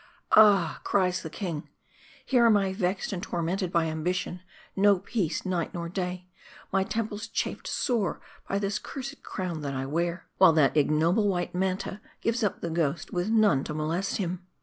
< Ah !' cries the king. < Here am I vexed and tormented by ambition ; no peace night nor day ; my temples chafed sore by this cursed crown that I wear ; while that ignoble wight Manta, gives up the ghost with none to molest him.'